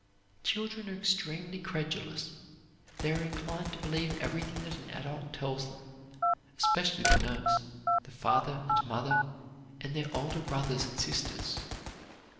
Children are extremely credulous. They are inclined to believe everything that an adult tells them, especially the nurse, the father and mother, and their older brothers and sisters.